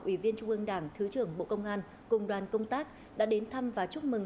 ủy viên trung ương đảng thứ trưởng bộ công an cùng đoàn công tác đã đến thăm và chúc mừng